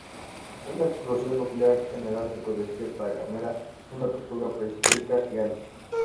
Una explosión nuclear en el Ártico despierta a Gamera, una tortuga prehistórica gigante.